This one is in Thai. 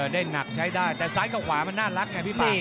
ได้หนักใช้ได้แต่ซ้ายกับขวามันน่ารักไงพี่